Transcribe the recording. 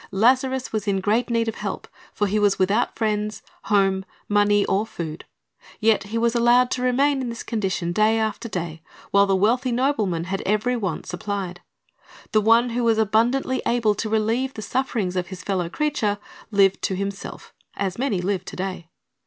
Lazarus was in great need of help; for he was without friends, home, money, or food. Yet he was allowed to remain in this condition day after day, while the wealthy nobleman had every want supplied. The one who was abundantly able to relieve the sufferings of his fellow creature, lived to himself, as many live to day.